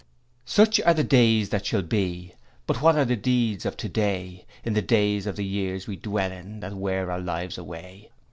'Such are the days that shall be! but What are the deeds of today, In the days of the years we dwell in, That wear our lives away?